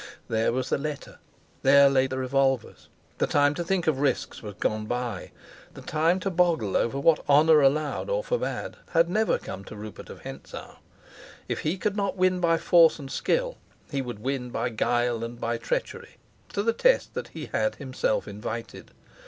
There was the letter, there lay the revolvers. The time to think of risks was gone by; the time to boggle over what honor allowed or forbade had never come to Rupert of Hentzau. If he could not win by force and skill, he would win by guile and by treachery, to the test that he had himself invited.